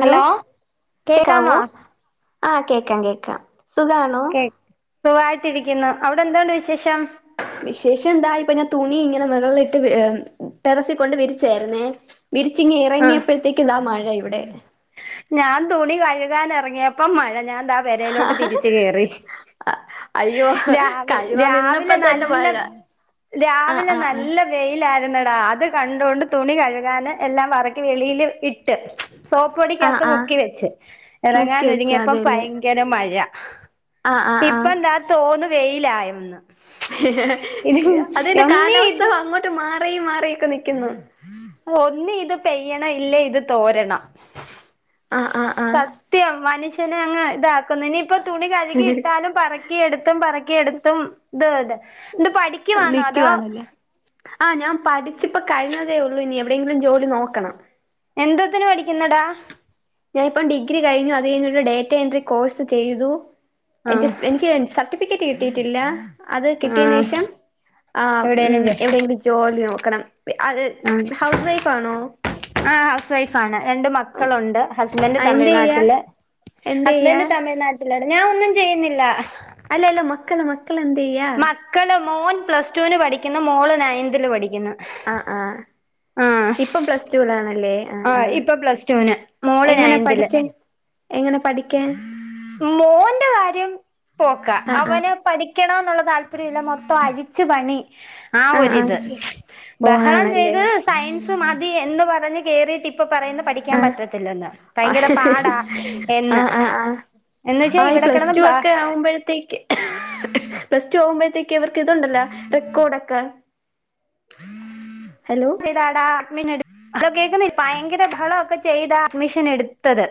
Hello കേക്കാമ കേക്കാവോ ആഹ് കേക്കാം കേക്കാം സുഖാണോ കേ സോ അവിടെ എന്താണ് വിശേഷം വിശേഷം എന്താ ഇപ്പൊ ഞാൻ തുണി ഇങ്ങനെ മുകളിലിട്ട് ടെറസി കൊണ്ട് വിരിച്ചായിുന്നേ വിരിച്ചിങ്ങങ് ആഹ് ഇറങ്ങിയപ്പോഴത്തേക്ക് നാംമാണ് ഇവിടെ ഞാൻ തുണി കഴുകാൻ ഇറങ്ങിയ പ്പം മഴ ഞാൻ താ പുരയിലോട്ടു തിരിച്ച് കയറി അയ്യോ കഴുവാൻ നിന്നപ്പോ രാവിലെ തന്നെ നല്ല മഴ ആഹ് രാവിലെ ആഹ് ആഹ് നല്ല വെയിൽ ആയി രുന്നടാ അത് കണ്ടൊണ്ട് തുണി കഴുകൻ എല്ലാം പറക്കി വെളിയില് ഇട്ട് സോപ്പ് പൊടിക്ക് ആഹ് ആഹ് മുക്കി വെച്ച് ഇറങ്ങാൻ മുക്കി വെച്ചാ ഒരുങ്ങിയപ്പോ അതെല്ലേ ഭയങ്കര മഴ ആഹ് ആഹ് ഇപ്പം താ തോന്നു വെയി ലായി ഒന്ന് അതിന്റെ ഒന്നീ ഇത് കാലാവസ്ഥ അങ്ങോട്ട് മാ റിയും മാറി നിക്കുന്നു ഒന്നി ഇത് പെയ്യണം ഇല്ലേ ഇത് തോരണം ആഹ് ആഹ് ആഹ് സത്യം മനുഷ്യ നെ അങ് ഇതാ ഇനിയിപ്പോൊതുണി കഴുകിയിട്ടാലും പറക്കിയെടുത്തും പറക്കി എടുത്തും ഇത് ഇത എന്ത് പഠിക്കു ആണോ അതോ പഠിച്ച് ഇപ്പം കഴിഞ്ഞതേ ഉള്ളൂ ഇനി എവിടെയെങ്കിലും ജോലി നോക്കണം എന്തോത്തിന് പഠിക്കുന്നടാ ഞാൻ ഇപ്പം ഡിഗ്രി കഴിഞ്ഞു അത് കഴിഞ്ഞു ഡേറ്റ എൻട്രി കോഴ്സ് ചെയ്തു എ ആഹ് എനിക്ക് സർട്ടി ഫിക്കറ്റ് കിട്ടിയട്ടില്ല അത് കിട്ടിയന് ആഹ് ശേഷം ആഹ് ഉം എവിടെയെങ്കിലും ജോലി നോ ക്കണം ആണ് ആഹ് ഹൗസ് വൈഫ് ആണ് രണ്ട് മക്കളുണ്ട് ഹസ് ബൻഡ് ആ എന്തെയ്യാ തമിഴ്നാട്ടില് എന്തെയ്യാ ഹസ്ബഡ് തമിഴ്നാട്ടില ഞൻ ഒന്നും ചെയ്യുന്നില്ല അല്ല അല്ല മക്കള് മക്ക മക്കള് എന്തുചെയ്യാ മക്കള് മോൻ പ്ലസ്ടുവിന് പഠിക്കുന്നു മോള് നയന്തിൽ പഠി ക്കുന്നു ആ ആ ആഹ് ഇപ്പം പ്ലസ് ടുലാണല്ലേ ആ ആ ആഹ് ഇപ്പൊ പ്ലസ്ടുന് മോള് എങ്ങനെ നയത്ത്ല് പഠിക്കാൻ എങ്ങനെ പഠിക്കാൻ മോന്റെ കാര്യം പോക്കാ ആ ആ അവന് പഠിക്കണന്നുള്ള താല്പര്യംമില്ല മൊത്തം അയിച്ചു പണി ആ ഒരിത് ഓ ബഹളം ആണല്ലേ ചെയ്ത് സയൻസ് മതി എന്ന് പറഞ്ഞ് കേറിട്ട് ഇ ഇപ്പൊ പറയുന്നു പഠിക്കാൻ ആ പറ്റത്തില്ലന്ന് ഭയങ്കര പാടാ ആ എന്ന് ആ ആ എന്ന് വെച്ചാ ആ ഈ ഇവിടെ കിടന്ന് പ്ലസ്ടു ഒക്കെ ബഹളം ആവുമ്പോഴത്തേക്ക് പ്ലസ് ടു ആകുമ്പോഴത്തേക്ക് ഇവർക്ക് ഇതുണ്ടല്ല റെക്കോഡൊക്കെ അതാടാ അമിന അത് കേൾക്കുന്നില്ലേ ഭയങ്കര ഫളൊ ഒക്കെ ചെയ്താ അഡ്മിഷൻ എടുത്തത്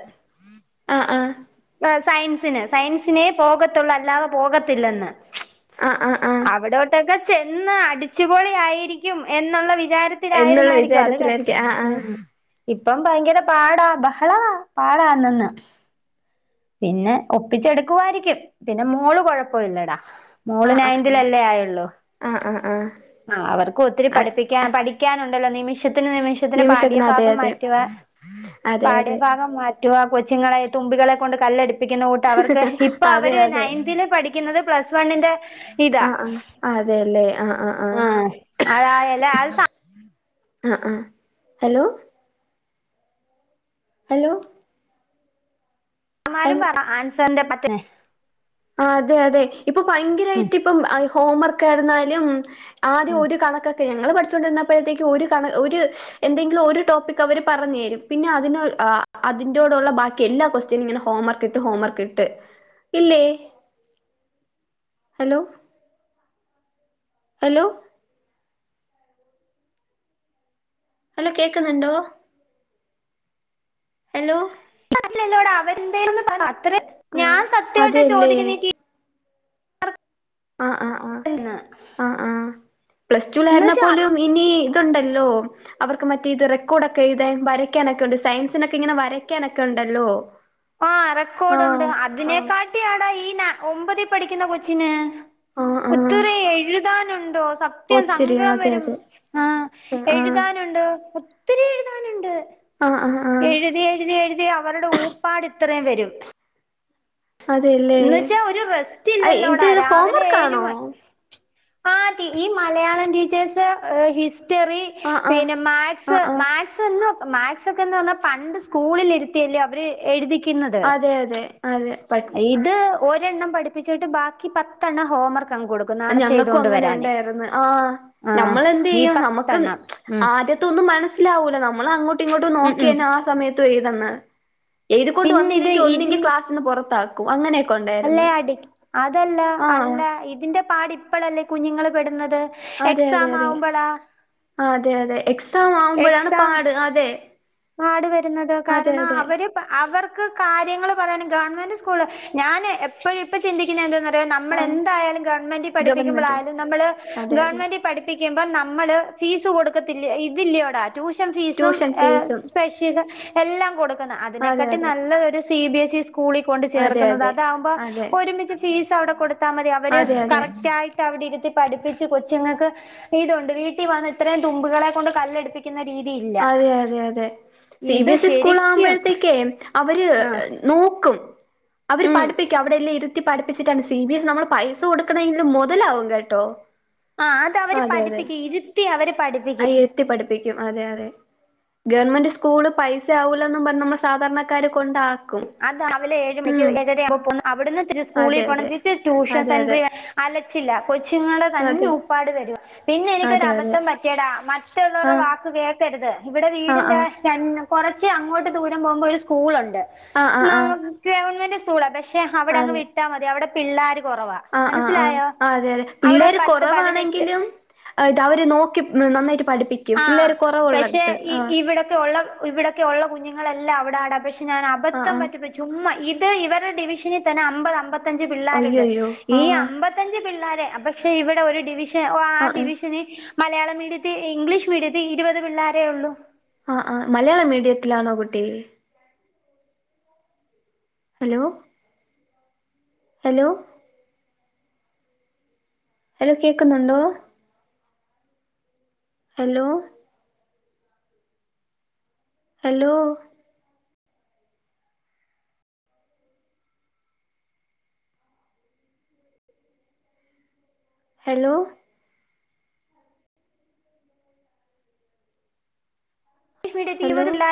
ആ ആ സയൻസിന് സയൻസിനെ പോകത്തുള്ളൂ അല്ലാതെ പോകത്തില്ലെന്ന് ആ ആ ആ അവിടോട്ടൊക്കെ ചെന്ന അടിച്ചുപൊളി ആയിരിക്കും എന്നുള്ള വി എന്നുള്ള വിചാരത്തിലായിരിക്കും ആ ആ ഇപ്പം ഭയങ്കര പാടാ ബഹള പാടാണെന്ന് പിന്നെ ഒപ്പിച്ചെടുക്കുവായിരിക്കും പിന്നെ മോൾ കൊഴപ്പമില്ലടാ മോൾ ആ ആ നയൻതിൽല്ലേ ആയുള്ളൂ ആ ആ ആ ആ അവർക്ക ഒത്തിരി ആ പഠിപ്പിക്ക പഠിക്കാനുണ്ട്. ചില നിമിഷം ത്തിന് നിമിഷത്തിന് അതെ പാഠ്യഭാഗം അതെ മാറ്റുക അതെ അതെ പാട്യഭാഗം റ്റ കൊച്ചുങ്ങളെ തുമ്പികളെ കൊണ്ട് കല്ലെടു പ്പിക്കുന്ന കൂട്ട് അവർക്ക് ഇപ്പൊ അതെ അവർ അതെ നയനന്തിൽ പഠിക്കുന്നത് പ്ലസ് വണ്ണിന്റെ ഇതാ ആ ആ അതെല്ലേ ആ ആ അതായല്ല ആ ആ ഹലോ ഹലോ മാരും ഹൽ പറ സന്റെ മറ്റേ ആ അതെ അതെ ഇപ്പൊ ഭയങ്കരമായിട്ട് ഇപ്പം ഹോവർക്ക് ആയിരുന്ന [unintelligible] ആദ്യം ഉം ഒരു കണക്കൊക്കെ ഞങ്ങൾ പഠി പഠിച്ചു കൊണ്ട് ഇരുന്നപ്പോഴേക്കും ഒരു കണ ഒരു എന്തെങ്കിലും ഒരു ടോപ്പിക് അവർ പറഞ്ഞു തരും. പിന്നെ അതിന അതിനോടുള്ള ബാക്കി എല്ലാ കൊക്സ്റ്റ്യനും ഇങ്ങനെ ഹോംവർക്ക് ഇട്ട് ഹോംവർക്ക് ഇട്ട് ഇല്ലേ ഹലോ ഹലോ ഹലോ കേൾക്കുന്നുണ്ടോ ഹലോ [inaudible] അവരെന്തേന്ന് പറ അത്ര ആ ഞാൻ സത്യമായിട്ട് അതെല്ലേ ചോദിക്കുന്നേ [inaudible] ആ ആ ആ ടീച്ചർന്ന് ആ ആ എന്ന് വെച്ചാ പ്ലസ്ടുലായിരുന്നപോലും ഇനി ഉണ്ടല്ലോ അവർക്ക് മറ്റേ ഇത് റെക്കോർഡൊക്കെ ഇത് വരയ്ക്കാനൊക്കെ ഉണ്ട് സയൻസിനൊക്കെ ഇങ്ങനെ വരയ്ക്കാനൊക്കെ ഉണ്ടല്ലോ ആ റെക്കോർഡുണ്ട് ആഹ് ആഹ് അതിനെക്കാട്ടി അട ഈ ന ഒമ്പതിൽ പഠിക്കുന്ന കൊച്ചിന് ആഹ് ആഹ് ഒത്തിരി എഴുതാനുണ്ടോ സത്യം ഒത്തിരി സങ്കടം അതെ വരും അതെ ആ ആഹ് എഴുതാനുണ്ട് ഓ ആഹ് ആഹ് ആഹ് എഴുതി എഴുതി എഴുതി അവരുടെ ഊ പാട് ഇത്രയും വരും അതെല്ലേ എന്ന് വച്ചാ ഒരു റെസ്റ്റ് ഇത് ഇല്ലല്ലോടാ രാവിലെ ഹോംവർക്കാണോ ഏഴ്മണി ആ ഈ മലയാളം ടീച്ചേഴ്സ് ഹിസ് ഹിസ്റ്ററി ആഹ് ആഹ് പിന്നെ മാത്സ് ആഹ് ആഹ് മാത്സ് എന്ന് മാത്സ് ഒക്കെന്ന് പറഞ്ഞാൽ പണ്ട് സ്കൂളിലിരുത്തിയല്ലേ അവര് എഴുതി അതെ അതെ അതെ പ അത് ഒരെണ്ണം പഠിപ്പിച്ചിട്ട് ബാക്കി പത്തെണ്ണം ഹോംവർക്ക് അങ്ങ് കൊടുക്കും നാളെ ഞങ്ങൾക്കും ചെയ്തോണ്ട് അങ്ങനെ വരാനേ ഉണ്ടായിരുന്നു ആ് ആ നമ്മൾ എന്ത് ഈ ചെയ്യും നമുക്ക് പത്തെണ്ണം ഉം ആദ്യത്തൊന്നും മനസ് സ്സിലാവൂല്ല നമ്മ നമ്മളങ്ങോട്ടും ഇങ്ങോട്ടും ഉം നോക്കി ഉം ആ സമയത്ത് [unintelligible] ഇത് കൊണ്ട് പിന്നെ ഇത് വന്നില്ലെങ്കിൽ ഒന്നിങ്കി ക്ലാസിന് പുറത്താക്കും അങ്ങനെ അല്ലെ അടിക്ക് അതല്ല ആഹ് അല്ല ഇതിന്റെ പാട് ഇപ്പഴല്ലേ കുഞ്ഞുങ്ങള് പെടുന്നത് അതെ അതെ എക്സാം അതെ ആവുമ്പളാ ആ അതെ അതെ എക്സാ ഉത്സവമാവുമ്പോഴാണ് പാട് അതെ പാടുവരുന്നത് അതെ കാരണം അതെ അവര് അവർക്ക് കാര്യങ്ങള് പറയാന് ഗവൺമെന്റ് സ്കൂള് ഞാൻ എപ്പോഴ് ഇപ്പോ ചിന്തിക്കുന്നത് എന്താന്ന് നമ്മൾ ആഹ് എന്തായാലും ഗവൺമെന്റ് ഗവൺമെന്റ് പഠിപ്പിക്കുമ്പോളായാലും നമ്മൾ അതെ അതെ ഗവൺമെന്റ് പഠിപ്പിക്ക യ്യുമ്പോ നമ്മള് ഫീസ് കൊടുക്കത്തില്ല ഇതില്ലയോടാ ട്യൂഷൻ ട്യൂഷൻ ഫീസും ഫീസുംഏഹ് എല്ലാം കൊടുക്ക അതെ അതിനെക്കാട്ടി അതെ നല്ല ഒരു സി ബി എസ് ഇസ് ഇ സ്കൂളിൽ കൊണ്ട് അതെ ചേർക്കുന്നത് അതെ അതാവുമ്പോ അതെ ഒരുമിച്ച് ഫീസ് ത്തവിടെ കൊടു ത്താൽ മതി അവര് അതെ അതെ കറക്റ്റ് ആയിട്ട് അവിടെ ഇരുത്തി പഠിപ്പിച്ച് കൊച്ചുങ്ങൾക്ക് ഇതുണ്ട് വീട്ടിൽ വന്ന് ഇത്രയും തുമ്പികളെ കൊണ്ട് കല്ലെടുപ്പിക്കുന്ന രീതി ഇല്ല അതെ അതെ അതെ സി ഇത് ബി എസ് ഇ സ്കൂള് ശരിക്കും ആക്മ്പോഴത്തേക്കേ ഉം അവര് ആഹ് നോക്കും അവര് ഉം പഠിപ്പിക്കും അവടെയല്ലാം ഇ പഠിപ്പിച്ചിട്ടാണ് സി ബി എസ് നമ്മള് പൈസ കൊടുക്കെണമെങ്കിലും മൊതലാവും കേട്ടോ ആ അത് അവര് പഠിപ്പിക്കും ഇര് ത്തി അവര് ആ പഠിപ്പിക്കും ഇരിത്തി പഠി പ്പിക്കും അതെ അതെ ഗവൺമെന്റ് സ്കൂള് പൈസ ആവുല്ലാന്ന് പറഞ്ഞ് നമ്മള് സാധാരണക്കാര് കൊണ്ടാ അതാ രാവിലെ ഏഴ് മണിക്ക് ഏഴര ആകുമ്പൾ അവടുന്ന് തി സ്കൂളി അതെ പോകണം അതെ തിരിച്ച് അതെ അതെ ടൂഷൻസെന്ററി അല്ലാ ചില്ലാ കൊച്ചുങ്ങളെ തന്നെ അതെ ഉപ്പാട് വരൂവാ പിന്നെ എനിക്കൊര് അതെ അതെ അബദ്ധം പറ്റിയടാ മറ്റുള്ളെവരടെ ആഹ് വാക്ക് കേക്കാര്ത് ഇവടെ ആഹ് വീടിന്റെ ര കൊറച്ച് അങ്ങോട്ട് ദൂരം പോമ്പോ ഒര് സ്കൂളെണ്ട് ആഹ് ആഹ് ആഹ് ആഹ് [unintelligible] ഗവൺമെൻ്റ് സ്കുളാ പ പശേ അവടെ അങ് വിട്ടാ മതി അവടെ പിള്ളാര് ആാ ആാ ആാ അതെ അവിടെ പിള്ളേര് പത്ത് പതിനെട്ട് കൊറവാണെങ്കിലും അവര് നോക്കി ഉം നന്നായിട്ട് പഠിപ്പിക്കും ആ പിള്ളേര് പശേ കുറവുള്ളടുത്ത് ഈ ആഹ് ഇവടൊക്കെ ഒള്ള തും ഇവടെക്കെ ഒള്ള കുഞ്ഞുങ്ങളെല്ലാം അവടാടാ പ ഞാൻ ആഹ് അബദ്ധം ആഹ് പറ്റിപ്പോയി ചുമ്മാ ഇ ഇത് ഇവരടെ ഡിവിഷനി തന്നെ അമ്പത് അമ്പതത്തി അഞ്ച് പിള്ളേരെണ്ട് അയ്യയ്യോ ഈ ആഹ് ആഹ് അമ്പത്തഞ്ച് പിള്ളേര് ആ പശേ ഇവടെ ഒര് ഡിവി ഓ ആാ ആഹ് ഡിവിഷന മലയാളം മീഡിത്തി ഇംഗ്ലീഷ് മീഡിയത്തി ഇര്പെത് പിള്ളാരേ ഒള്ളൂ ആാ ആാ മലയാള മീഡിയത്തിലാണോ കുട്ടി ഹലോ ഹലോ ഹലോ കേക്ക്ന്നെണ്ടോ ഹലോ ഹലോാ ഹലോാ ഹലോ [unintelligible]